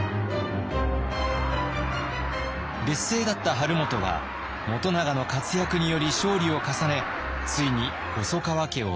劣勢だった晴元は元長の活躍により勝利を重ねついに細川家を相続。